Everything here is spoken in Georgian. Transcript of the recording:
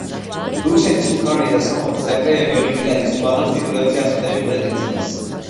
რუსეთის, უკრაინის და სომხეთის ნაკრებები ოლიმპიადის უმაღლეს ტიტულებზე აცხადებდნენ პრეტენზიას.